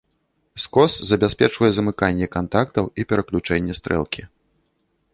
Скос забяспечвае замыканне кантактаў і пераключэнне стрэлкі.